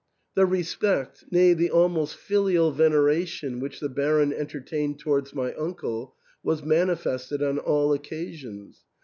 The respect, nay, the almost filial veneration which the Baron entertained towards my uncle, was mani fested on all occasions.